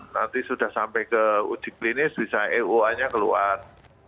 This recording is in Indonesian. nanti sudah sampai ke uji klinis bisa eua nya keluar